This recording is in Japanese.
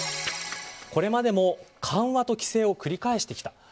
これまでも緩和と規制を繰り返してきた。